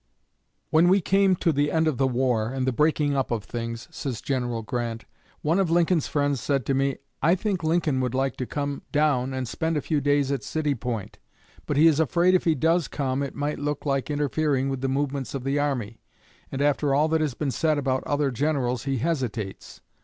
"When we came to the end of the War and the breaking up of things," says General Grant, "one of Lincoln's friends said to me, 'I think Lincoln would like to come down and spend a few days at City Point, but he is afraid if he does come it might look like interfering with the movements of the army, and after all that has been said about other Generals he hesitates.'